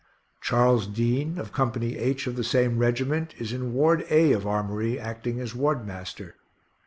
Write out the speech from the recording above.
Charles Dean, of Co. H of the same regiment, is in Ward A of Armory, acting as ward master.